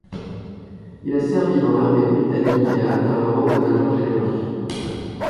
Il a servi dans l'armée britannique et a atteint le rang de major général.